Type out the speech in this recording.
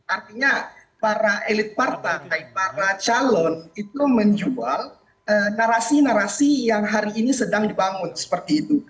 artinya para elit partai para calon itu menjual narasi narasi yang hari ini sedang dibangun seperti itu